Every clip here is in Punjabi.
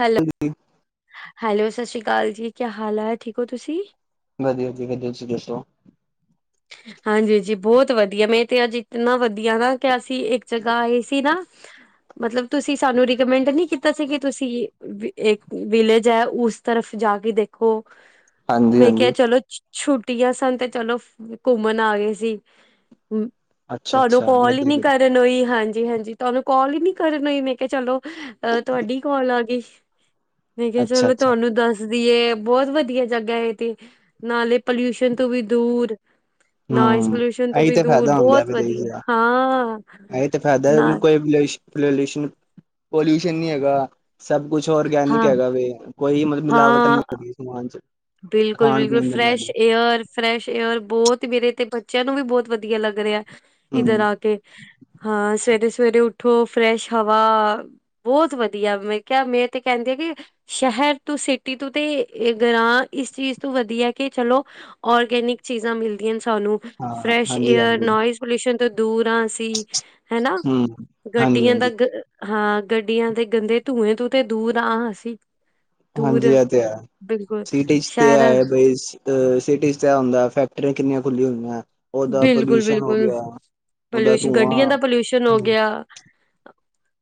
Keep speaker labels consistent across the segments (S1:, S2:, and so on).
S1: ਹੈਲੋ
S2: ਜੀ
S1: ਹੈਲੋ ਸਤਿ ਸ੍ਰੀ ਅਕਾਲ ਜੀ ਕਿਆ ਹਾਲ ਹੈ। ਠੀਕ ਹੋ ਤੁਸੀ
S2: ਵਧੀਆ- ਵਧੀਆ ਤੁਸੀਂ ਦੱਸੋ-
S1: ਹਾਂਜੀ ਜੀ ਬਹੁਤ ਵਧੀਆ ਮੈ ਤੇ ਅੱਜ ਇਤਨਾ ਵਧੀਆ ਨਾ ਕਿ ਅਸੀ ਇਕ ਜਗ੍ਹਾ ਆਏ ਸੀ ਨਾ ਮਤਲਬ ਤੁਸੀ ਸਾਨੂੰ ਰਿਕਮੈਂਡ ਨੀ ਕੀਤਾ ਸੀ ਕਿ ਤੁਸੀ ਇਕ ਵਿਲੇਜ ਹੈ। ਉਸ ਤਰਫ ਜਾ ਕੇ ਦੇਖੋ
S2: ਹਾਂਜੀ
S1: ਮੈਂ ਕਿਹਾ
S2: ਹਾਂਜੀ
S1: ਚਲੋ ਛੁੱਟੀਆਂ ਸਨ ਤੇ ਚਲੋ ਘੁੰਮਣ ਆ ਗਏ ਸੀ
S2: ਅੱਛਾ
S1: ਤੁਹਾਨੂੰ
S2: ਅੱਛਾ
S1: ਕੋਲ ਹੀ ਨੀ
S2: ਵਧੀਆ
S1: ਕਰਨ ਹੋਈ, ਹਾਂਜੀ-ਹਾਂਜੀ ਤੁਹਾਨੂੰ ਕਾਲ ਹੀ ਨੀ ਕਰਨ ਹੋਈ ਮੈਂ ਕਿਹਾ ਚਲੋ ਅਹ ਤੁਹਾਡੀ ਕੋਲ ਆ ਗਈ ਮੈਂ ਕਿਹਾ
S2: ਅੱਛਾ
S1: ਚਲੋ
S2: ਅੱਛਾ
S1: ਤੁਹਾਨੂੰ ਦੱਸ ਦੇਈਏ, ਬਹੁਤ ਵਧੀਆ ਜਗ੍ਹਾ ਹੈ ਤੇ ਨਾਲੇ ਪੋਲਿਊਸ਼ਨ ਤੋਂ ਵੀ ਦੂਰ ਨੋਇਜ਼
S2: ਹਮ
S1: ਪੋਲਿਊਸ਼ਨ ਤੋਂ
S2: ਇਹੀ
S1: ਵੀ
S2: ਤੇ
S1: ਦੂਰ
S2: ਫਾਇਦਾ ਹੁੰਦਾ
S1: ਬਹੁਤ
S2: ਵਿਦੇਸ਼
S1: ਵਧੀਆ
S2: ਦਾ,
S1: ਹਾਂ
S2: ਇਹੀ ਤੇ ਫਾਇਦਾ
S1: ਨਾ
S2: ਉਹਨੂੰ ਕੋਈ ਪਲੋਲੂਸ਼ਨ, ਪੋਲਿਊਸ਼ਨ ਨਹੀਂ ਹੈਗਾ, ਸਭ ਕੁਛ ਔਰਗੈਨਿਕ
S1: ਹਾਂ
S2: ਹੈਗਾ ਵੇ ਕੋਈ ਮਤਲਬ ਮਿਲਾਵਟ ਨਹੀਂ ਹੈਗੀ, ਸਮਾਨ 'ਚ ਖਾਣ
S1: ਬਿਲਕੁਲ-ਬਿਲਕੁਲ
S2: ਪੀਣ ਦੇ
S1: ਫਰੈਸ਼
S2: ਨਾਲ
S1: ਏਅਰ ਫਰੈਸ਼ ਏਅਰ, ਬਹੁਤ ਮੇਰੇ ਤੇ ਬੱਚਿਆਂ ਨੂੰ ਵੀ ਬਹੁਤ ਵਧੀਆ ਲੱਗ ਰਿਹਾ ਇੱਧਰ
S2: ਹੂੰ
S1: ਆ ਕੇ, ਹਾਂ ਸਵੇਰੇ- ਸਵੇਰੇ ਉਠੋ ਫਰੈਸ਼ ਹਵਾ- ਬਹੁਤ ਵਧੀਆ ਮੈ ਕਿਹਾ ਮੈ ਤੇ ਕਹਿੰਦੀ ਆ ਕਿ- ਸ਼ਹਿਰ ਤੂੰ ਸਿਟੀ ਤੂੰ ਤੇ ਗ੍ਰਾਂ- ਇਸ ਚੀਜ਼ ਤੋਂ ਵਧੀਆ ਕਿ ਚਲੋ, ਔਰਗੈਨਿਕ ਚੀਜ਼ਾਂ ਮਿਲਦੀਆਂ ਨੇ ਸਾਨੂੰ
S2: ਹਾਂ
S1: ਫਰੈਸ਼
S2: ਹਾਂਜੀ
S1: ਏਅਰ,
S2: ਹਾਂਜੀ
S1: ਨੋਇਜ਼ ਪੋਲਿਊਸ਼ਨ ਤੋਂ ਦੂਰ ਅਸੀ ਹੈਨਾ,
S2: ਹੂੰ ਹਾਂਜੀ
S1: ਗੱਡੀਆਂ ਦਾ
S2: ਹਾਂਜੀ
S1: ਗ ਹਾਂ ਗੱਡੀਆਂ ਦੇ ਗੰਦੇ ਧੂੰਏ ਤੋ ਤੇ ਦੂਰ ਆ ਅਸੀ
S2: ਹਾਂਜੀ ਇਹ ਤੇ ਹੈ। ਸੀ- ਤੇ
S1: ਸ਼ਹਿਰ
S2: ਹੈ। ਬਈ ਸਿਟੀਜ਼ 'ਚ ਐ ਹੁੰਦਾ ਫੈਕਟਰੀਆਂ ਕਿੰਨੀਆਂ ਖੁੱਲੀਆਂ ਹੋਈਆਂ ਉਹਦਾ
S1: ਬਿਲਕੁਲ-
S2: ਪ੍ਰਦੂਸ਼ਣ ਹੋ
S1: ਬਿਲਕੁਲ
S2: ਗਿਆ ਉਹਦਾ
S1: ਪੋਲਿਊਸ਼ਨ, ਗੱਡੀਆਂ ਦਾ
S2: ਧੂੰਆਂ
S1: ਪੋਲਿਊਸ਼ਨ ਹੋ ਗਿਆ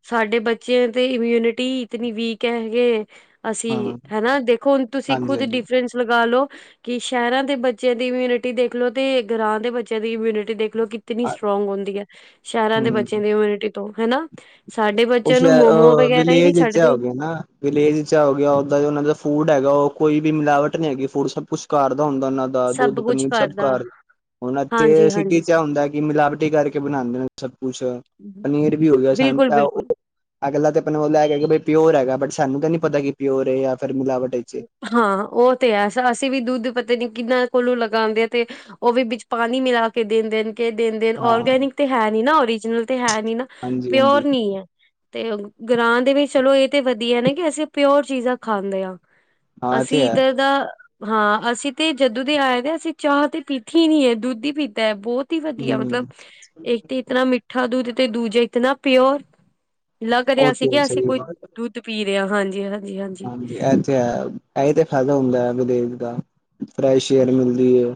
S1: ਸਾਡੇ ਬੱਚਿਆਂ ਤੇ ਇਮਿਊਨਿਟੀ ਇਤਨੀ ਵੀਕ ਹੈਗੇ। ਅਸੀ
S2: ਹਾਂ
S1: ਹਨਾ, ਦੇਖੋ ਹੁਣ ਤੁਸੀ ਖੁਦ
S2: ਹਾਂਜੀ-ਹਾਂਜੀ,
S1: ਡਿਫਰੈਂਸ ਲਗਾਲੋ ਕਿ ਸ਼ਹਿਰਾਂ ਦੇ ਬੱਚਿਆਂ ਦੀ ਇਮਿਊਨਿਟੀ ਦੇਖਲੋ ਤੇ ਗਾਵ ਦੇ ਬੱਚਿਆਂ ਦੀ ਇਮਿਊਨਟੀ ਦੇਖ ਲੋ ਕਿਤਨੀ
S2: ਅ
S1: ਸਟਰ੍ਰੋਂਗ ਹੁੰਦੀ ਹੈ। ਸ਼ਹਿਰਾਂ ਦੇ ਬੱਚਿਆਂ
S2: ਹੂੰ।
S1: ਦੀ ਇਮਿਊਨਿਟੀ ਤੋਂ ਹਨਾ ਸਾਡੇ
S2: ਉਹ
S1: ਬੱਚਿਆਂ ਨੂੰ
S2: ਸਹਿਰ
S1: ਮੋਮੋ ਵਗੈਰਾ ਹੀ ਨਹੀਂ
S2: ਵਿਲੇਜ 'ਚ
S1: ਛੱਡਦੇ
S2: ਹੋਗਨਾ- ਵਿਲੇਜ 'ਚ ਆ ਗਿਆ ਓਦਾਂ ਉਹਨਾਂ ਦਾ ਫੂਡ ਹੈਗਾ ਉਹ ਕੋਈ ਵੀ ਮਿਲਾਵਟ ਨਹੀ ਹੈਗੀ ਫੂਡ ਸਭ ਕੁਛ ਘਰਦਾ ਹੁੰਦਾ ਉਹਨਾਂ ਦਾ ਦਾ
S1: ਸਭ
S2: ਦੁੱਧ
S1: ਕੁਛ
S2: ਪਨੀਰ ਸਭ
S1: ਕਰਦਾ
S2: ਘਰ ਹੁਣ, ਇਥੇ [unintelligible]
S1: ਹਾਂਜੀ ਹਾਂਜੀ
S2: ਮਿਲਾਵਟੀ ਹੁੰਦਾ ਕਿ ਮਿਲਾਵਟੀ ਕਰਕੇ ਬਣਾਉਦੇ ਨੇ ਸਭ ਕੁਛ। ਪਨੀਰ ਵੀ ਹੋ ਗਿਆ,
S1: ਬਿਲਕੁਲ
S2: ਸੰਤਾ-
S1: ਬਿਲਕੁਲ
S2: ਅਗਲਾ ਤਾਂ ਮਨੋ ਲੇਗਯਾ ਕੀ ਪਿਓਰ ਹੈਗਾ, ਬਟ ਸਾਨੂੰ ਤਾਂ ਨੀ ਪਤਾ ਕਿ ਪਿਓਰ ਹੈ ਜਾਂ ਫਿਰ ਮਿਲਾਵਟ ਏ।
S1: ਹਾਂ, ਉਹ ਤੇ ਹੈ ਅਸੀ ਵੀ ਦੁੱਧ ਪੱਤੇ ਨੀ, ਕਿੰਨਾਂ ਕੋਲੋਂ ਲਗਾਉਦੇ ਆ ਤੇ ਉਹ ਵੀ, ਵਿਚ ਪਾਣੀ ਮਿਲਾ ਕੇ ਦਿੰਦੇ ਨੇ ਕੇ ਦੇਣਦੇ ਨੇ
S2: ਹਾਂ,
S1: ਔਰਗੈਨਿਕ ਤੇ ਹੈ ਨੀ ਨਾ, ਓਰੀਜਨਲ ਤੇ ਹੈ ਨੀ ਨਾ, ਪਿਓਰ
S2: ਹਾਂਜੀ-ਹਾਂਜੀ
S1: ਨੀ ਹੈ। ਤੇ ਗ੍ਰਰਾਂ ਦੇ ਵਿਚ, ਚਲੋ ਇਹ ਤੇ ਵਧੀਆ ਨਾ, ਕਿ ਅਸੀ ਪਿਓਰ ਚੀਜ਼ਾਂ ਖਾਂਦੇ ਹਾਂ।
S2: ਹਾਂ ਇਹ ਤੇ
S1: ਅਸੀ,
S2: ਹੈ
S1: ਇੱਧਰ ਦਾ- ਹਾਂ, ਅਸੀ ਤੇ ਜਦੋ ਦੇ ਆਏ ਨੇ, ਅਸੀ ਚਾਹ ਤੇ ਪੀਤੀ ਹੀ ਨਹੀ ਹੈ, ਦੁੱਧ ਹੀ ਪੀਤਾ ਹੈ। ਬਹੁਤ ਕੀ ਵਧੀਆ, ਮਤਲਬ
S2: ਹੂੰ।
S1: ਇੱਕ ਤੇ ਇਤਾ ਮਿੱਠਾ ਦੁੱਧ ਤੇ ਦੂਜੇ ਇਤਨਾ ਪਿਓਰ। ਲੱਗ
S2: ਉਹ
S1: ਰਿਹਾ ਸੀ
S2: ਤੇ ਹੈ,
S1: ਕਿ ਅਸੀ
S2: ਸਹੀ
S1: ਕੋਈ
S2: ਗੱਲ
S1: ਦੁੱਧ ਪੀ ਰਹੇ ਹਾਂ, ਹਾਂਜੀ ਹ
S2: ਹਾਂਜੀ, ਹਾਂਜ ਤੇ ਹੈ ਏਹੀ ਤੇ ਫਾਇਦਾ ਹੁੰਦਾ ਹੈ ਵਿਦੇਸ਼ ਦਾ, ਫਰੈਸ਼ ਏਅਰ ਮਿਲਦੀ ਹੈ।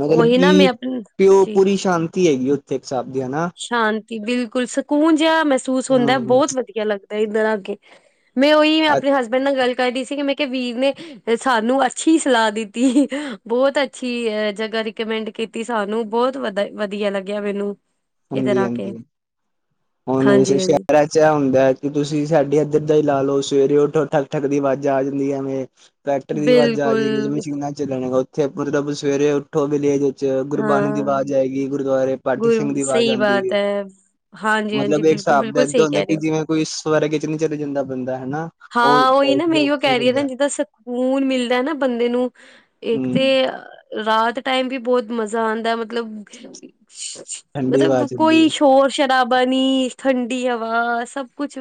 S2: ਮਤਲਬ
S1: ਉਹੀ
S2: ਕਿ
S1: ਨਾ ਮੈਂ ਆਪਣੀ
S2: ਪਿਓ
S1: ਜੀ
S2: ਪੂਰੀ ਸ਼ਾਂਤੀ ਹੈਗੀ ਉੱਥੇ, ਇੱਕ ਜਾਂਦਿਆਂ ਹਨਾ।
S1: ਸ਼ਾਂਤੀ, ਬਿਲਕੁਲ ਸਕੂਨ ਜਿਹਾ ਮਹਿਸੂਸ ਹੁੰਦਾ,
S2: ਹਮ
S1: ਬਹੁਤ ਵਧੀਆ ਲੱਗਦਾ ਇੱਧਰ ਆਕੇ। ਮੈਂ ਉਹੀ, ਮੈਂ ਆਪਣੇ ਹਸਬੈਂਡ ਨਾਲ ਗੱਲ ਕਰਦੀ ਸੀ ਕਿ ਮੈਂ ਕਿਹਾ ਵੀਰ ਨੇ ਸਾਨੂੰ ਅੱਛੀ ਸਲਾਹ ਦਿੱਤੀ, ਬਹੁਤ ਅੱਛੀ, ਅ ਜਗ੍ਹਾ ਰਿਕਮੈਂਡ ਕੀਤੀ ਸਾਨੂੰ ਬਹੁਤ ਵਧ ਵਧੀਆ ਲੱਗਿਆ, ਮੈਨੂੰ। ਇੱਧਰ
S2: ਹਾਂਜੀ,
S1: ਆ ਕੇ
S2: ਹਾਂਜੀ ਹੁਣੇ
S1: ਹਾਂਜੀ ਹਾਂਜੀ
S2: ਸ਼ਹਿਰਾਂ ਚ [unintelligible] ਚ ਹੁੰਦਾ ਹੈ ਕਿ ਤੁਸੀਂ ਸਾਡੇ ਇੱਧਰ ਦਾ ਹੀ ਲਾ ਲਓ, ਸਵੇਰੇ ਉੱਠੋ ਠੱਕ ਠੱਕ ਦੀ ਆਵਾਜ਼ਾਂ ਆ ਜਾਂਦੀ ਹੈ ਨੇ। ਟਰੈਕਟਰ ਦੀ ਆਵਾਜ਼ਾ ਆ ਜਾਏਗੀ,
S1: ਬਿਲਕੁਲ
S2: ਮਸ਼ੀਨਾਂ ਚੱਲਣਗਾ ਉੱਥੇ ਮਤਲਬ ਸਵੇਰੇ ਉੱਠ ਵਿਲੇਜ
S1: ਹਾਂ
S2: ਗੁਰਬਾਣੀ ਦੀ ਆਵਾਜ਼ ਆਏਗੀ, ਗੁਰਦੁਆਰੇ ਪਾਠੀ
S1: ਗੁਰ
S2: ਸਿੰਘ ਦੀ ਆਵਾਜ਼
S1: ਸਹੀ
S2: ਆਉਂਦੀ
S1: ਬਾਤ
S2: ਹੈ।
S1: ਹਾਂਜੀ ਹਾਂਜੀ
S2: ਮਤਲਬ ਇਹ
S1: ਬਿਲਕੁਲ
S2: ਹਿਸਾਬ ਦਾ
S1: ਬਿਲਕੁਲ
S2: ਏਦ
S1: ਸਹੀ
S2: ਹੁੰਦਾ
S1: ਕਹਿ ਰਹੇ ਹੋ
S2: ਕਿ ਜਿਵੇਂ ਕੋਈ ਸਵਰਗ ਵਿਚ ਨੀ ਚਲੇ ਜਾਂਦਾ ਬੰਦਾ ਹਨਾ। ਉਹ
S1: ਹਾਂ, ਉਹੀ
S2: ਟਾਈਪ
S1: ਨਾ
S2: ਦਾ
S1: ਮੇ ਉਹ
S2: ਫੀਲ
S1: ਕਹਿਰੀਆ ਨਾ,
S2: ਹੁੰਦਾ
S1: ਜਿੱਦਾਂ ਸਕੂਨ ਮਿਲਦਾ ਨਾ ਬੰਦੇ ਨੂੰ ਇਕ ਤੇ
S2: ਹੂੰ
S1: ਰਾਤ ਟਾਈਮ ਵੀ ਬਹੁਤ ਮਜ਼ਾ ਆਉਦਾ, ਮਤ ਮਤਲਬ,
S2: ਠੰਡੀ ਹਵਾ
S1: ਮਤਲਬ
S2: ਚੱਲਦੀ
S1: ਕੋਈ
S2: ਹੈ
S1: ਸ਼ੋਰ- ਸ਼ਰਾਬਾ ਨੀ, ਠੰਡੀ ਹਵਾ ਸਭ ਕੁਛ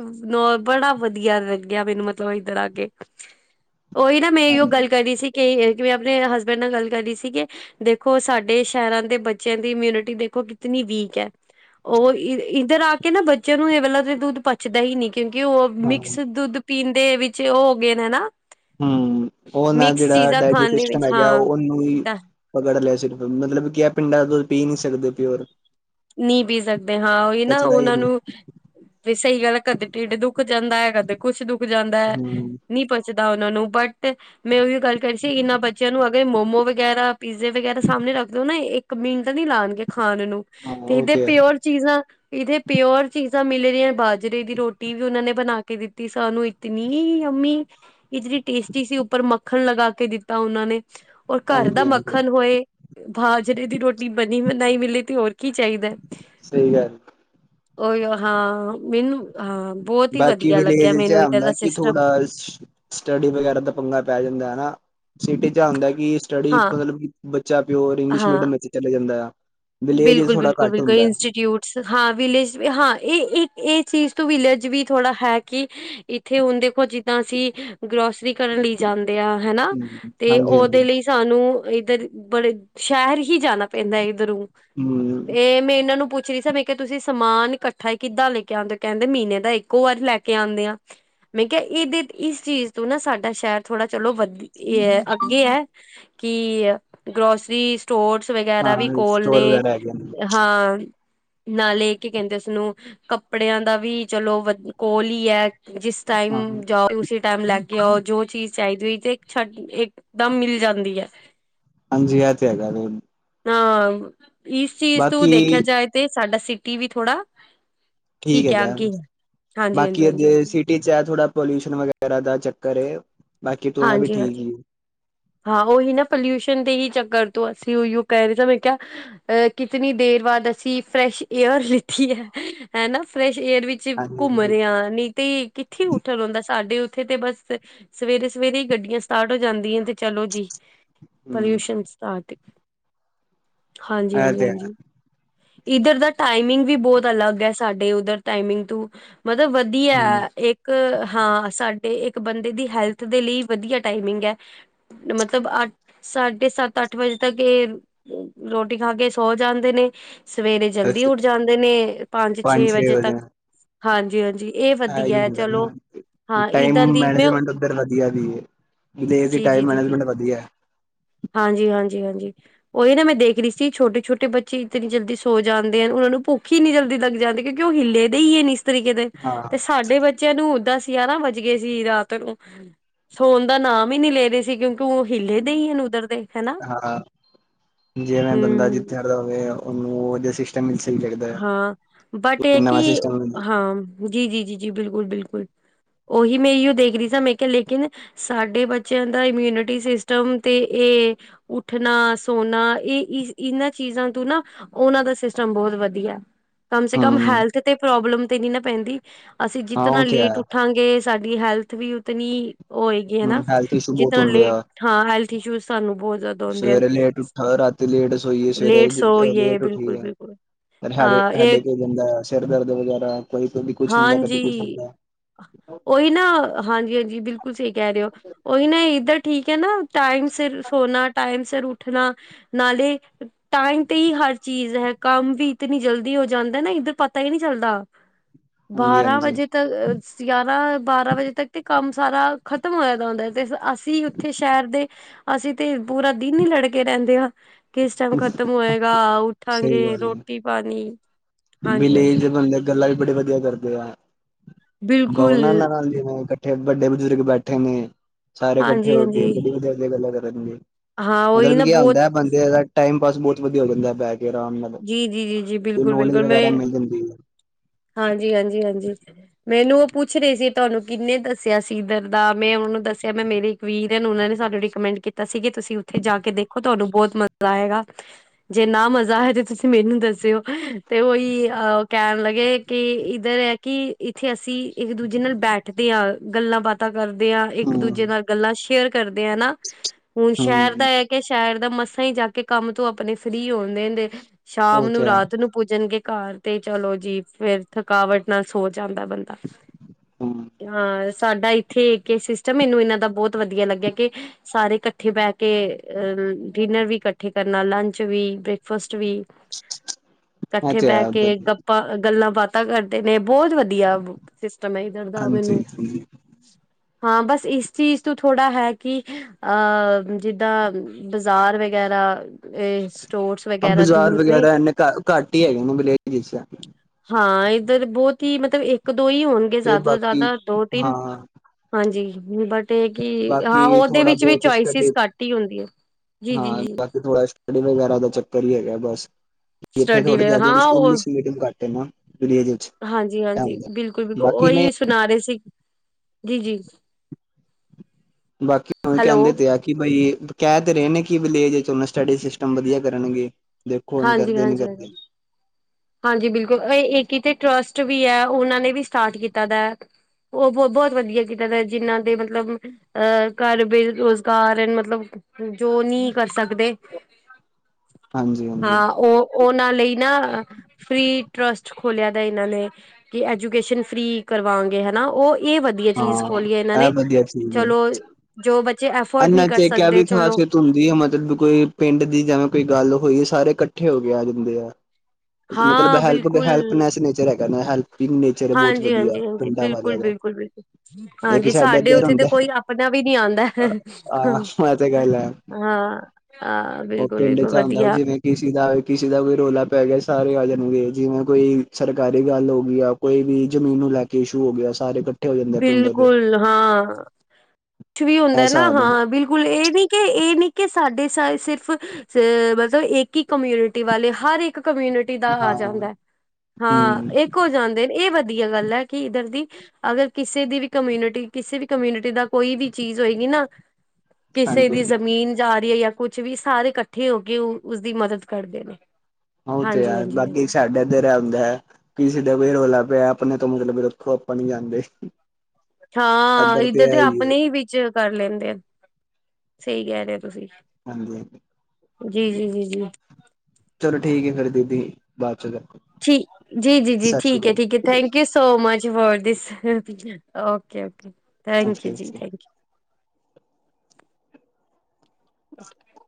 S1: ਬੜਾ ਵਧੀਆ ਲੱਗਿਆ ਮੈਨੂੰ, ਮਤਲਬ ਲ ਇੱਧਰ ਆਕੇ। [unintelligible]
S2: [inaudible] [inaudible]
S1: ਉਹੀ ਨਾ ਮੈ, ਉਹ
S2: ਹਾਂਜੀ
S1: ਗੱਲ ਕਰ ਰਹੀ ਸੀ ਕਿ ਕਿਵੇੈ ਆਪਣੇ ਹਸਬੈਂਡ ਨਾਲ ਗੱਲ ਕਰ ਰੀ ਸੀਗੀ, ਦੇਖੋ ਦੇਖੋ, ਸਾਡੇ ਸ਼ਹਿਰਾਂ ਦੇ ਬੱਚਿਆਂ ਦੀ ਇਮਿਊਨਿਟੀ ਦੇਖੋ ਕਿਤਨੀ ਵੀਕ ਹੈ। ਉਹ ਇਧਰ ਆ ਕੇ ਨਾ ਬੱਚਿਆਂ ਨੂੰ, ਇਹ ਵਾਲਾ ਤੇ ਦੁਧ ਪਚਦਾ ਹੀ ਨੀ ਕਿਉਕਿ ਉਹ
S2: ਹਾਂ।
S1: ਮਿਕਸ ਦੁੱਧ ਪੀਣ ਦੇ ਵਿਚ, ਉਹ ਹੋ ਗਏ ਨੇ ਹਨਾ
S2: ਹੂੰ, ਉਹ ਨਾ ਜਿਹੜਾ ਡਾਇਜਸ
S1: ਖਾਣ ਦੇ
S2: ਸਿਸਟਮ
S1: ਵਿੱਚ
S2: ਹੈਗਾ,
S1: ਹਾਂ
S2: ਉਹਨੂੰ ਪਕੜ ਲਿਆ ਸਿਰਫ, ਮਤਲਬ ਕੀ ਪਿੰਡਾਂ ਦਾ ਦੁਧ ਪੀ ਨੀ ਸਕਦੇ ਪਿਓਰ
S1: ਨਹੀਂ ਪੀ ਸਕਦੇ ਹਾਂ, ਉਹੀ ਨਾ
S2: ਬਚਦਾ ਹੀ
S1: ਉਹਨਾਂ
S2: ਨਹੀਂ
S1: ਨੂੰ ਵੀ ਸਹੀ ਗੱਲ ਹੈ, ਕਦੇ ਢਿੱਡ ਦੁੱਖ ਜਾਂਦਾ ਹੈ ਕਦੇ ਕੁੱਛ ਦੁੱਖ ਜਾਂਦਾ ਹੈ।
S2: ਹੂੰ
S1: ਨਹੀਂ ਪਚਦਾ ਉਹਨਾਂ ਨੂੰ, ਬਟ ਮੈਂ ਉਹੀ ਗੱਲ ਕਰੀ ਸੀ, ਇਹਨਾਂ ਬੱਚਿਆਂ ਨੂੰ ਅਗੇਰ ਮੋਮੋ ਵਗੈਰਾ ਪੀਜ਼ੇ ਵਗੈਰਾ, ਸਾਹਮਣੇ ਰੱਖਦੇ ਹੋ ਨਾ ਇੱਕ ਮਿੰਟ ਨੀ ਲਾਉਣਗੇ ਖਾਣ ਨੂੰ
S2: ਹਾਂ
S1: ਤੇ
S2: ਉਹ
S1: ਇਹਦੇ
S2: ਹੈ
S1: ਪਿਓਰ ਚੀਜ਼ਾਂ ਇਥੇ ਪਿਓਰ ਚੀਜ਼ਾਂ ਮਿਲ ਰਹੀਆਂ, ਬਾਜ਼ਰੇ ਦੀ ਰੋਟੀ ਵੀ ਉਹਨਾਂ ਨੇ ਬਣਾ ਕੇ ਦਿੱਤੀ ਸਾਨੂੰ ਇੰਨੀ ਯੰਮੀਂ, ਇਤਨੀ ਟੇਸਟੀ ਸੀ ਉੱਪਰ ਮੱਖਣ ਲਗਾ ਕੇ ਦਿੱਤਾ ਉਹਨਾਂ ਨੇ। ਔਰ ਘਰ ਦਾ
S2: ਹਾਂਜੀ ਹਾਂਜੀ
S1: ਮੱਖਣ ਹੋਏ, ਬਾਜਰੇ ਦੀ ਰੋਟੀ ਬਣੀ ਬਣਾਈ ਮਿਲੇ ਤੇ ਹੋਰ ਕੀ ਚਾਹੀਦਾਂ।
S2: ਸਹੀ ਗੱਲ
S1: ਉਹੀ ਹਾਂ, ਮੈਨੂੰ ਹਾਂ, ਬਹੁਤ ਹੀ
S2: ਬਾਕੀ
S1: ਵਧੀਆ ਲੱਗਿਆ
S2: ਵਿਲੇਜ ਚ ਇਹ
S1: ਮੈਨੂੰ ਇੱਧਰ
S2: ਹੁੰਦਾ
S1: ਦਾ
S2: ਕਿ
S1: ਸਿਸਟਮ
S2: ਥੋੜਾ ਸਟੱਡੀ ਵਗੈਰਾ ਦਾ ਪੰਗਾ ਪੈ ਜਾਂਦਾ ਹਨਾ। ਸਿਟੀ ਚ ਅ ਹੁੰਦਾ ਕਿ ਸਟੱਡੀ
S1: ਹਾਂ
S2: ਮਤਲਬ ਬੱਚਾ ਪਿਓਰ ਇੰਗਲਿਸ਼
S1: ਹਾਂ
S2: ਮੀਡੀਅਮ ਵਿੱਚ ਚਲਾ ਜਾਂਦਾ ਆ। ਵਿਲੇਜ ਚ
S1: ਬਿਲਕੁਲ,
S2: ਥੋੜਾ
S1: ਬਿਲਕੁਲ,
S2: ਘੱਟ
S1: ਬਿਲਕੁਲ
S2: ਹੁੰਦਾ
S1: ਇੰਸਟੀਟਿਊਟ ਹਾਂ, ਵਿਲੇਜ ਵੀ ਹਾਂ ਇਹ, ਇਹ ਚੀਜ਼ ਤ ਵਿਲੇਜ ਵੀ ਥੋੜਾ ਹੈ ਕਿ ਇੱਥੇ ਹੁਣ ਦੇਖੋ, ਜਿੱਦਾਂ ਅਸੀ ਗਰੋਸਰੀ ਕਰਨ ਲਈ ਜਾਂਦੇ ਆ ਹਨਾ
S2: ਹਮ,
S1: ਤੇ
S2: ਹਾਂਜੀ ਹਾਂਜੀ
S1: ਉਹਦੇ ਲਈ ਸਾਨੂੰ ਇੱਧਰ, ਬੜੇ ਸ਼ਹਿਰ ਹੀ ਜਾਣਾ ਪੈਂਦਾ ਇੱਧਰੋਂ।
S2: ਹਮ
S1: ਇਹ ਮੇਂ ਇਹਨਾਂ ਨੂੰ ਪੁੱਛ ਰਹੀ ਸੀ, ਬਈ ਕਿ ਤੁਸੀਂ ਸਮਾਨ, ਇਕੱਠਾ ਕਿੱਦਾਂ ਲੇਕੇ ਆਂਦੇ ਹੋ? ਕਹਿੰਦੇ ਮਹੀਨੇ ਦਾ ਇੱਕੋ ਵਾਰੀ ਲੈਕੇ ਆਂਦੇ ਆ। ਮੈਂ ਕਿਹਾ, ਇਹਦੇ ਇਸ ਚੀਜ਼ ਤੋਂ ਨਾ ਸਾਡਾ ਸ਼ਹਿਰ ਥੋੜ੍ਹਾ ਚਲੋ ਵੱਧ ਇਹ ਅੱਗੇ ਹੈ। ਕਿ, ਗਰੋਸਰੀ, ਸਟੋਰਸ ਵਗੈਰਾ ਵੀ
S2: ਹਾਂ
S1: ਕੋਲ ਨੇ
S2: ਸਟੋਰ ਵਗੈਰਾ ਹੈਗੇ ਨੇ
S1: ਹਾਂ। ਨਾਲੇ ਕੀ ਕਹਿੰਦੇ ਉਸਨੂੰ, ਕੱਪੜਿਆਂ ਦਾ ਵੀ ਚਲੋ ਵ, ਕੋਲ ਈ ਐ। ਜਿਸ
S2: ਹਾਂ
S1: ਟਾਈਮ ਜਾਓ, ਉਸੀ ਟਾਈਮ ਲੈਕੇ ਆਓ, ਜੋ ਚੀਜ਼ ਚਾਹੀਦੀ ਹੋਈ ਤੇ ਛੱਡ, ਇੱਕਦਮ ਮਿਲ ਜਾਂਦੀ ਐ।
S2: ਹਾਂਜੀ। ਐ, ਤੇ ਹੈਗਾ ਦੇ।
S1: ਅਂ। ਇਸ ਚੀਜ਼ ਤੋਂ
S2: ਬਾਕੀ
S1: ਦੇਖਿਆ ਜਾਏ ਤੇ ਸਾਡਾ ਸਿਟੀ ਵੀ ਥੋੜਾ
S2: ਠੀਕ
S1: ਹੈ
S2: ਹੈਗਾ।
S1: ਅੱਗੇ ਹੈ। ਹਾਂਜੀ ਹਾਂਜੀ
S2: ਬਾਕੀ
S1: ਹਾਂਜੀ
S2: ਅਜੇ
S1: ਹਾਂਜੀ
S2: ਸਿਟੀ'ਚ ਐ ਥੋੜਾ, ਪੋਲਿਊਸ਼ਨ ਵਗੈਰਾ ਦਾ ਚੱਕਰ ਏ। ਬਾਕੀ ਤੂੰ ਇਹ ਵੀ ਠੀਕ
S1: ਹਾਂਜੀ-ਹਾਂਜੀ।
S2: ਹੀ
S1: ਹਾਂ, ਉਹੀ ਨਾ ਪੋਲਿਊਸ਼ਨ ਦੇ ਹੀ ਚੱਕਰ ਤੋਂ ਅਸੀਂ ਉਹੀ ਕਹਿ ਰਹੇ, ਮੈਂ ਕਿਹਾ ਅਹ, ਕਿਤਨੀ ਦੇਰ ਬਾਅਦ ਅਸੀਂ ਫਰੈਸ਼ ਏਅਰ ਲਿੱਤੀ ਐ, ਹੈਨਾ ਫਰੈਸ਼ ਏਅਰ ਵਿੱਚ
S2: ਹਾਂਜੀ
S1: ਘੁੰਮ
S2: ਹਾਂਜੀ
S1: ਰਿਹਾਂ, ਨੀ ਤੇ ਕਿੱਥੇ ਉੱਠਣ ਹੂੰਦਾ। ਸਾਡੇ ਉੱਥੇ ਤੇ ਬਸ ਸਵੇਰੇ ਸਵੇਰੇ ਹੀ ਗੱਡੀਆਂ ਸਟਾਰਟ ਹੋ ਜਾਂਦੀਆਂ ਤੇ ਚਲੋ ਜੀ,
S2: ਹਮ
S1: ਪੋਲਿਊਸ਼ਨ ਸਟਾਰਟ।
S2: ਇਹ ਤੇ ਹੈ
S1: ਹਾਂਜੀ-ਹਾਂਜੀ-ਹਾਂਜੀ। ਇਧਰ ਦਾ ਟਾਈਮਿੰਗ ਵੀ ਬਹੁਤ ਅਲੱਗ ਐ, ਸਾਡੇ ਉਧਰ ਟਾਈਮਿੰਗ ਤੋ, ਮਤਲਬ ਵਧੀਆ।
S2: ਹਮ
S1: ਇੱਕ, ਹਾਂ ਸਾਡੇ ਇੱਕ ਬੰਦੇ ਦੀ ਹੈਲਥ ਦੇ ਲਈ ਵਧੀਆ ਟਾਈਮਿੰਗ ਐ, ਮਤਲਬ ਅਠ ਸਾਢੇ-ਸੱਤ, ਅੱਠ ਵਜੇ ਤੱਕ ਇਹ, ਰੋਟੀ ਖਾਕੇ ਸੌ ਜਾਂਦੇ ਨੇ। ਸਵੇਰੇ ਜਲਦੀ
S2: ਬਸ
S1: ਉੱਠ ਜਾਂਦੇ ਨੇ, ਪੰਜ, ਛੇ ਵਜੇ ਤੱਕ ਹਾਂਜੀ-ਹਾਂਜੀ।
S2: ਐਈ ਹੁੰਦਾ ਨਾ, ਟਾਇਮ
S1: ਏਦਾਂ ਦੀ ਮੈਂ
S2: ਮੈਨੇਜਮੈਂਟ ਉਧਰ ਵਧੀਆ ਵੀ ਏ। ਦੇਸ਼ ਦੀ ਟਾਈਮ ਮੈਨੇਜਮੈਂਟ ਵਧੀਆ।
S1: ਹਾਂਜੀ-ਹਾਂਜੀ-ਹਾਂਜੀ। ਉਹੀ ਨਾ ਮੈਂ ਦੇਖ ਰਹੀ ਸੀ, ਛੋਟੇ-ਛੋਟੇ ਬੱਚੇ ਇਤਨੀ ਜਲਦੀ ਸੋ ਜਾਂਦੇ ਹਨ, ਉਹਨਾਂ ਨੂੰ ਭੁੱਖ ਹੀ ਇੰਨੀ ਜਲਦੀ ਲੱਗ ਜਾਂਦੀ ਕਿ ਕਿ ਉਹ ਹਿੱਲੇਦੇ ਹੀ ਨੇ ਇਸ ਤਰੀਕੇ ਦੇ, ਤੇ
S2: ਹਾਂ
S1: ਸਾਡੇ ਬੱ ਚਿਆਂ ਨੂੰ ਦਸ, ਇਆਰਾਂ ਵੱਜ ਗਏ ਸੀ ਰਾਤ ਨੂੰ, ਸੋਣ ਦਾ ਨਾਮ ਹੀ ਨੀ ਲੇ ਰਹੇ ਸੀ, ਕਿਉਂ ਤੁੰ ਹਿੱਲੇਦੇ ਹੀ, ਇਹਨੂੰ
S2: ਹਾਂ, ਜਿਵੇਂ ਬੰਦਾ
S1: ਹਮ
S2: ਜਿੱਥੇ ਰਵੇ, ਉਹਨੂੰ ੳਹਦੇ ਸਿਸ ਸਿਸਟਮ ਈ ਸਹੀ ਲਗਦਾ।
S1: ਹਾਂ, ਬਟ ਇਹ ਕਿ, ਹਾਂ। ਜੀ-ਜੀ-ਜੀ-ਜੀ, ਬਿਲਕੁਲ-ਬਿਲਕੁਲ। ਉਹੀ, ਮੇਂ ਇਹੀਓ ਦੇਖਰੀਂ ਸਾਂ, ਮੈਂ ਕਿਹਾ ਲੇਕਿਨ ਸਾਡੇ ਬੱਚਿਆਂ ਦਾ ਇਮਿਊਨਿਟੀ ਸਿਸਟਮ ਤੇ, ਇਹ ਉੱਠਣਾ, ਸੋਨਾ ਇਹ, ਇਹਨਾਂ ਚੀਜ਼ਾਂ ਤੋਂ ਨਾ ਉਹਨਾਂ ਦਾ ਸਿਸਟਮ ਬਹੁਤ ਵਧੀਆ। ਵਧੀਆ। ਕਮ ਸੇ ਕਮ
S2: ਹਮ
S1: ਹੈਲਥ ਤੇ, ਪ੍ਰੋਬਲਮ ਤੇ ਨੀ ਨਾ ਪੈਂਦੀ। ਅਸੀ
S2: ਹਾਂ
S1: ਜਿਤਨਾ
S2: ਉਹ ਤੇ ਹੈ
S1: ਲੇਟ ਉੱਠਾਂਗੇ, ਸਾਡੀ ਹੈਲਥ ਵੀ ਉਤਨੀ ਓਏਗੀ
S2: ਹਮ
S1: ਹਨਾ,
S2: ਹੈਲਥ ਇਸ਼ੂ
S1: ਜਿਸ
S2: ਬਹੁਤ
S1: ਤਰ੍ਹਾਂ
S2: ਹੁੰਦੇ
S1: ਲੇਟ
S2: ਆ
S1: ਹਾਂ, ਹੈਲਥ ਇਸ਼ੂਜ ਸਾਨੂੰ ਬਹੁਤ ਜਿਆਦਾ ਹੁੰਦੇ ਹਨ।
S2: ਹਾ, ਰਾਤੀ ਲੇਟ ਸੋਈਏ ਸਵੇਰੇ
S1: ਲੇਟ ਸੋਈਏ
S2: ਲੇਟ
S1: ਬਿਲਕੁਲ
S2: ਉੱਠੀਏ
S1: ਬਿਲਕੁਲ
S2: ਹੈੜੇਕ,
S1: ਹਾਂ ਇਹ
S2: ਹੈਡੇਕ ਹੁੰਦਾ, ਸਿਰ ਦਰਦ ਵਗੈਰਾ ਕੋਈ ਕ ਕੁਛ ਹੁੰਦਾ, ਕਦੇ ਕੁਛ
S1: ਹਾਂਜੀ
S2: ਹੁੰਦਾ। [unintelligible]
S1: ਉਹੀ ਨਾ, ਹਾਂਜੀ-ਹਾਂਜੀ, ਬਿਲਕੁਲ ਸਹੀ ਕਹਿ ਰਹੇ ਹੋ, ਉਹੀ ਨਾ ਇੱਧਰ ਠੀਕ ਹੈ ਨਾ। ਟਾਈਮ ਸਿਰ ਸੋਨਾ, ਟਾਈਮ ਸਿਰ ਉ ਉੱਠਣਾ, ਨਾਲੇ ਟਾਈਮ ਤੇ ਹੀ ਹਰ ਚੀਜ਼ ਹੈ, ਕੰਮ ਵੀ। ਇਤਨੀ ਜਲਦੀ ਹੋ ਜਾਂਦੈ ਨਾ, ਇੱਧਰ ਪਤਾ ਹੀ ਨਹੀਂ ਚੱਲਦਾ
S2: ਹਾਂਜੀ
S1: ਬਾਰਾ
S2: ਹਾਂਜੀ
S1: ਵਜੇ ਇਆਰਾਂ, ਬਾਰਾਂ ਵਜੇ ਤੱਕ ਤੇ ਕੰਮ ਸਾਰਾ ਖਤਮ ਹੋ ਜਾਂਦਾ ਹੁੰਦਾ ਤੇ ਅਸੀਂ ਉੱਥੇ ਸ਼ਹਿਰ ਦੇ, ਅਸੀਂ ਤੇ ਪੂਰਾ ਦਿਨ ਹੀ ਲੜਗੇ ਰਹਿੰਦੇ ਹਾਂ। ਕਿਸ ਟਾਈਮ ਖ਼ਤਮ ਹੋਇਗਾ,
S2: ਸਹੀ
S1: ਉੱਠਾਂਗੇ
S2: ਗੱਲ ਹੈ
S1: ਰੋਟੀ-ਪਾਣੀ
S2: ਵਿਲੇਜ ਦੇ ਬੰਦੇ ਗੱਲਾਂ ਵੀ ਬੜੇ ਵਧੀਆ ਕਰਦੇ ਆ, ਬਹੋ
S1: ਬਿਲਕੁਲ
S2: ਨਾ ਨਾਲ ਫਿਰ ਵੱਡੇ ਬਜ਼ੁਰਗ ਬੈਠੇ ਨੇ, ਸਾਰੇ ਇਕੱਠੇ
S1: ਹਾਂਜੀ
S2: ਹੋਕੇ।
S1: ਹਾਂਜੀ
S2: ਬੜੀ ਵਧੀਆ-ਵਧੀਆ ਗੱਲਾਂ ਕਰਨਗੇ।
S1: ਹਾਂ ਉਹੀ
S2: ਮਤਲਬ
S1: ਨਾ
S2: ਕੀ ਐਹ
S1: ਬਹੁਤ
S2: ਹੁੰਦਾ, ਬੰਦੇ ਦਾ ਟਾਈਮ ਪਾਸ ਬਹੁਤ ਵਧੀਆ ਹੋ ਜਾਂਦਾ ਬੈ
S1: ਜੀ- ਜੀ- ਜੀ- ਜੀ, ਬਿਲਕੁਲ- ਬਿਲਕੁਲ,
S2: ਵਗੈਰਾ
S1: ਮੈਂ
S2: ਮਿਲ ਜਾਂਦੀ ਹੈ
S1: ਹਾਂਜੀ- ਹਾਂਜੀ- ਹਾਂਜੀ ਮੈਨੂੰ ਉਹ ਪੁੱਛ ਰਹੇ ਸੀ, ਤੁਹਾਨੂੰ ਕਿੰਨੇ ਦੱਸਿਆ ਸੀ ਇੱਧਰ ਦਾ, ਮੈਂ ਉਹਨੂੰ ਦੱਸਿਆ ਮੈਂ ਮੇਰੀ ਵੀਰ ਉਹਨਾਂ ਨੇ ਸਾਨੂੰ ਰਿਕਮੈਂਡ ਕੀਤਾ ਸੀ, ਕਿ ਤੁਸੀਂ ਉੱਥੇ ਜਾ ਕੇ ਦੇਖੋ, ਤੁਹਾਨੂੰ ਬਹੁਤ ਮਜ਼ਾ ਆਏਗਾ। ਜੇ ਨਾ ਮਜ਼ਾ ਆਇਆ ਤੇ ਤੁਸੀਂ ਮੈਨੂੰ ਦੱਸਿਓ, ਤੇ ਉਹੀ ਅਹ ਕਹਿਣ ਲੱਗੇ, ਕਿ ਇੱਧਰ ਐ ਕਿ ਇੱਥੇ ਅਸੀਂ ਇੱਕ ਦੂਜੇ ਨਾਲ ਬੈਠਦੇ ਆਂ, ਗੱਲਾਂ ਬਾਤਾਂ ਕਰਦੇ ਆਂ, ਇੱਕ ਦੂਜੇ
S2: ਹਮ
S1: ਨਾਲ ਗੱਲਾਂ ਸ਼ੇਅਰ ਕਰਦੇ ਆ ਨਾ, ਹੁਣ ਸ਼ਹਿਰ
S2: ਹਮ
S1: ਦਾ ਇਹ ਕਿ ਸ਼ਹਿਰ ਦਾ ਮਸ ਹੀ ਜਾ ਕੇ ਕੰਮ ਤੋਂ ਆਪਣੇ ਫ੍ਰਰੀ ਹੋਣ ਦੇ-ਦੇ ਸ਼ਾਮ
S2: ਉਹ ਤੇ
S1: ਨੂੰ
S2: ਹੈ
S1: ਰਾਤ ਨੂੰ ਪੁੱਜਣਗੇ ਘਰ, ਤੇ ਚਲੋ ਜੀ ਫੇਰ ਥ ਥਕਾਵਟ ਨਾਲ ਸੋ ਜਾਂਦਾ ਬੰਦਾ,
S2: ਹਮ
S1: ਹਾਂ ਇਹ ਸਾਡਾ ਇੱਥੇ ਕਿ ਸਿਸਟਮ ਇਹਨੂੰ ਇਹਨਾਂ ਦਾ ਬਹੁਤ ਵਧੀਆ ਲੱਗਿਆ, ਕਿ ਸਾਰੇ ਇਕੱਠੇ ਬਹਿ ਕੇ, ਅਹ ਡਿਨਰ ਵੀ ਇਕੱਠੇ ਕਰਨਾ, ਲੰਚ ਵੀ, ਬ੍ਰੇਕਫਾਸਟ ਵੀ।
S2: ਇਹ
S1: ਕੱਠੇ
S2: ਤੇ
S1: ਬਹਿ
S2: ਹੈ
S1: ਕੇ
S2: ਉਧਰ
S1: ਗੱਪਾਂ ਗੱਲਾਂ-ਬਾਤਾਂ ਕਰਦੇ ਨੇ, ਬਹੁਤ ਵਧੀਆ। ਵਧੀਆ ਸਿਸਟਮ ਐ, ਇੱਧਰ ਦਾ
S2: ਹਾਂਜੀ
S1: ਮੈਨੂੰ
S2: ਹਾਂਜੀ
S1: ਹਾਂ ਬਸ ਇਸ ਚੀਜ਼ ਤੋਂ ਥੋੜ੍ਹਾ ਹੈ, ਕਿ ਅਹ ਜਿੱਦਾਂ ਬਾਜ਼ਾਰ ਵਗੈਰਾ, ਸਟੋਰਸ ਵਗੈਰਾ ਦੂਰ
S2: ਨੇ ਘਟ ਹੀ ਆਈ ਉਹਨੂੰ [inaudible]
S1: ਹਾਂ, ਇੱਧਰ ਬਹੁਤ ਹੀ ਮਤਲਬ ਇੱਕ ਦੋ ਹੀ ਹੋਣਗੇ,
S2: ਤੇ
S1: ਜ਼ਿਆਦਾ ਤੋਂ
S2: ਬਾਕੀ
S1: ਜ਼ਿਆਦਾ ਦੋ ਤਿੰਨ
S2: ਹਾਂ
S1: ਹਾਂਜੀ ਬਟ ਤੇ ਕੀ ਹਾਂ,
S2: ਬਾਕੀ
S1: ਉਹਦੇ
S2: ਥੋੜਾ
S1: ਵਿਚ ਵੀ
S2: ਬਹੁਤ ਸਟੱਡੀ
S1: ਚੋਇਸਿਸ ਘੱਟ ਹੀ ਹੁੰਦੀ ਆ,
S2: ਹਾਂ
S1: ਜੀ-ਜੀ
S2: ਬਾਕੀ ਥੋੜਾ ਵਗੈਰਾ ਦਾ ਚੱਕਰ ਹੀ ਹੈਗਾ ਬਸ, ਇੱਥੇ
S1: ਸਟੱਡੀ
S2: ਥੋੜੇ
S1: ਵੇ
S2: ਜਿਆਦਾ ਇੰਗਲਿਸ਼ ਮੀਡੀਅਮ ਘੱਟ ਐ ਨਾ। ਵਿਲੇਜ ਵਿੱਚ
S1: ਹਾਂਜੀ-ਹਾਂਜੀ, ਬਿਲਕੁਲ-ਬਿਲਕੁਲ,
S2: ਬਾਕੀ ਨਹੀਂ
S1: ਉਹੀ ਸੁਣਾ ਰਹੇ ਸੀ, ਜੀ-ਜੀ
S2: ਬਾਕੀ ਹੁਣ ਕਹਿੰਦੇ
S1: ਹੈਲੋ
S2: ਤੇ ਆ ਕਿ ਬਈ ਕਹਿ ਤੇ ਰਹੇ ਨੇ, ਕਿ ਵਲੇੇਜ਼ ਚ ਹੁਣ ਸਟੱਡੀ ਸਿਸਟਮ ਵਧੀਆ ਕਰਨਗੇ। ਦੇਖੋ ਹੁਣ
S1: ਹਾਂਜੀ
S2: ਕਰਦੇ ਨੀ
S1: ਹਾਂਜੀ ਹਾਂਜੀ
S2: ਕਰਦੇ।
S1: ਹਾਂਜੀ ਬਿਲਕੁਲ, ਇੱਕ ਇਥੇ ਟਰੱਸਟ ਵੀ ਐ, ਉਹਨਾ ਨੇ ਵੀ ਸਟਾਰਟ ਕੀਤਾ ਦਾ। ਉਹ ਬਹੁਤ- ਬਹੁਤ ਵਧੀਆ, ਕਿ ਕੀਤਾ ਦਾ ਜਿੰਨਾਂ ਦੇ ਮਤਲਬ ਅਹ ਘਰ ਬੇਰੁਜ਼ਗਾਰ ਐ, ਮਤਲਬ ਜੋ ਨਹੀਂ ਕਰ ਸਕਦੇ।
S2: [unintelligible] ਹਾਂਜੀ-ਹਾਂਜੀ
S1: ਹਾਂ, ਉਹ ਉਹਨਾਂ ਲਈ ਨਾ ਫ੍ਰੀ ਟਰਸਟ ਖੋਲਿਆ ਦਾ ਇਹਨਾਂ ਨੇ। ਕਿ ਐਜੂਕੇਸ਼ਨ ਫਰੀ ਕਰਵਾਣਗੇ ਹਨਾ, ਉਹ ਇਹ ਵਧ ਵਧੀਆ ਚੀਜ਼
S2: ਹਾਂ
S1: ਖੋਲੀ ਏ ਇਹਨਾਂ
S2: ਇਹ
S1: ਨੇ,
S2: ਵਧੀਆ ਚੀਜ਼ ਹੈ।
S1: ਚਲੋ ਜੋ ਬੱਚੇ ਐਫਰਡ
S2: ਇਹਨਾਂ
S1: ਨਹੀਂ
S2: ਚ
S1: ਕਰ
S2: ਇੱਕ ਇਹ
S1: ਸਕਦੇ,
S2: ਵੀ
S1: ਚਲੋ
S2: ਖ਼ਾਸੀਅਤ ਹੁੰਦੀ ਆ, ਮਤਲਬ ਕੋਈ ਪਿੰਡ ਦੀ ਜਿਵੇ ਕੋਈ ਗੱਲ ਹੋਈ ਐ, ਸਾਰੇ ਇਕੱਠੇ ਹੋ ਕੇ ਆ ਜਾਂਦੇ ਆ। ਇਸ ਮਤਲਬ
S1: ਹਾਂ
S2: ਹੈਲਪ
S1: ਬਿਲਕੁਲ
S2: ਹੈਲਪਨੈਸ ਨੇਚਰ ਹੈਗਾ ਹਨਾ।
S1: ਹਾਂਜੀ-ਹਾਂਜੀ-ਹਾਂਜੀ,
S2: ਦਾ।
S1: ਬਿਲਕੁਲ-ਬਿਲਕੁਲ-ਬਿਲਕੁਲ,
S2: ਇੱਕ
S1: ਹਾਂਜੀ ਸਾਡੇ
S2: ਇੱਧਰ
S1: ਉੱਥੇ
S2: ਹੁੰਦਾ
S1: ਤਾਂ ਕੋਈ ਆਪਣਾ ਵੀ ਨੀ ਆਂ
S2: ਆ ਮੈਂ ਤੇ ਗੱਲ ਹੈ
S1: ਹਾਂ ਹ
S2: ਉਹ ਪਿੰਡ
S1: ਬਿਲਕੁਲ-ਬਿਲਕੁਲ
S2: ਚ ਆਉਂਦਾ
S1: ਵਧੀਆ
S2: ਜਿਵੇਂ ਕਿਸੇ ਦਾ ਕਿਸੇ ਦਾ ਕੋਈ ਰੌਲਾ ਪੈ ਗਿਆ, ਸਾਰੇ ਆ ਜਾਣਗੇ, ਜਿਵੇਂ ਕੋਈ ਸਰਕਾਰੀ ਗੱਲ ਹੋ ਗਈ ਆ। ਕੋਈ ਵੀ ਜ਼ਮੀਨ ਨੂੰ ਲੈ ਕੇ ਇਸ਼ੂ ਹੋ ਗਿਆ ਸਾਰੇ ਦਾ
S1: ਬਿਲਕੁਲ ਹਾਂ, ਕੁਛ ਵੀ
S2: ਇਹ
S1: ਹੁੰਦਾ ਨਾ
S2: ਹਿਸਾਬ ਹੈ
S1: ਹਾਂ ਬਿਲਕੁਲ ਇਹ ਵੀ ਕਿ ਇਹ ਨੀ ਕਿ ਸਾਡੇ ਸ ਸਿਰਫ ਅ ਮਤਲਬ ਇੱਕ ਹੀ ਕਮਿਊਨਿਟੀ ਵਾਲੇ, ਹਰ ਇੱਕ ਕਮਿਊਨਿਟੀ ਟੀ ਦਾ
S2: ਹਾਂ
S1: ਆ ਜਾਂਦਾ, ਹਾਂ
S2: ਹਮ
S1: ਇੱਕ ਹੋ ਜਾਂਦੇ ਨੇ, ਇਹ ਵਧੀਆ ਗੱਲ ਐ ਕਿ ਇੱਧਰ ਦੀ ਅਗਰ ਕਿਸੇ ਦੀ ਵੀ ਕਮਿਊਨਿਟੀ, ਕਿਸੇ ਵੀ ਕਮਿਊਨਿਟੀ ਦਾ ਕੋਈ ਵੀ ਚੀਜ਼ ਹੋਏਗੀ ਨਾ। ਕਿਸੇ
S2: ਹਾਂਜੀ
S1: ਦੀ
S2: ਹਾਂਜੀ
S1: ਜ਼ਮੀਨ ਜਾ ਰਹੀ ਐ, ਜਾਂ ਕੁਛ ਵੀ ਸਾਰੇ ਇਕੱਠੇ ਹੋ ਕੇ ਉਹ ਉਸਦੀ ਮਦਦ ਕਰਦੇ ਨੇ।
S2: ਹਾਂ ਉਹ ਤੇ
S1: ਹਾਂਜੀ
S2: ਹੈ
S1: ਹਾਂਜੀ
S2: ਬਾਕੀ
S1: ਹਾਂਜੀ
S2: ਸਾਡੇ ਇਧਰ ਆਂਦਾ, ਕਿਸੇ ਦਾ ਕੋਈ ਰੌਲਾ ਪਿਆ, ਆਪਣੇ ਤੋਂ ਮਤਲਬ ਰੱਖੋ, ਆਪਾਂ ਨੀ ਜਾਂਦੇ।
S1: ਹਾਂ, ਇੱਧਰ ਤੇ ਆਪਣੇ ਹੀ ਵਿੱਚ ਕਰ ਲੈਂਦੇ ਆ, ਸਹੀ ਕਹਿ ਰਹੇ ਹੋ ਤੁਸੀਂ।
S2: ਹਾਂਜੀ
S1: ਜੀ-ਜੀ-ਜੀ-ਜੀ
S2: ਚਲੋ ਠੀਕ ਹੈ ਫਿਰ ਦੀਦੀ ਬਾਅਦ ਚ ਕਰਕੇ
S1: ਠੀਕ ਜੀ-ਜੀ-ਜੀ ਠੀਕ ਹੈ ਠੀਕ thank you so much for this okay okay thank you
S2: okay
S1: ਜੀ
S2: ਓਕੇ।
S1: Thank you. [inaudible]